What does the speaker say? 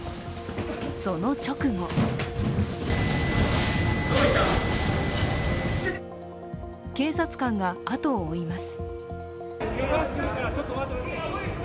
その直後警察官が後を追います。